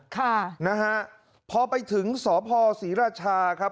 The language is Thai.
ค่ะนะฮะพอไปถึงสพศรีราชาครับ